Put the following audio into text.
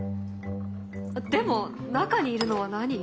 でも中にいるのは何？